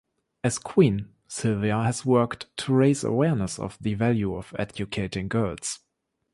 As Queen, Sylvia has worked to raise awareness of the value of educating girls.